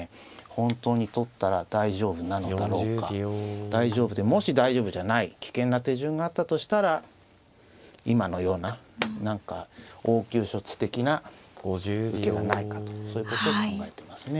本当に取ったら大丈夫なのだろうか大丈夫でもし大丈夫じゃない危険な手順があったとしたら今のような何か応急処置的な受けがないかとそういうことを考えてますね。